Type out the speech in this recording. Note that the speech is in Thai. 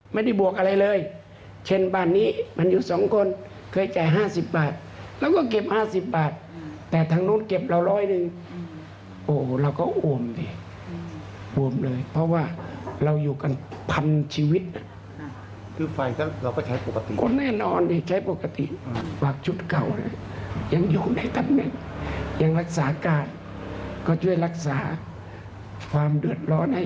บวกอะไรเลยเช่นบ้านนี้มันอยู่สองคนเคยจ่าย๕๐บาทเราก็เก็บ๕๐บาทแต่ทางนู้นเก็บเราร้อยหนึ่งโอ้โหเราก็อวมดิอวมเลยเพราะว่าเราอยู่กันพันชีวิตคือฝ่ายเราก็ใช้ปกติคนแน่นอนดิใช้ปกติฝากชุดเก่าเลยยังอยู่ในตำแหน่งยังรักษาการก็ช่วยรักษาความเดือดร้อนให้